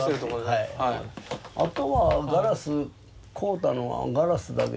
あとはガラス買うたのはガラスだけで。